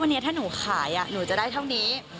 วันนี้ถ้าหนูขายหนูจะได้เท่านี้